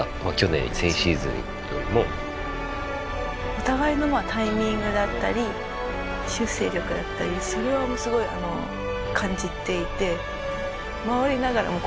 お互いのタイミングだったり修正力だったりそれはすごい感じていて。